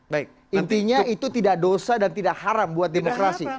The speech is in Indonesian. baik intinya itu tidak dosa dan tidak haram buat demokrasi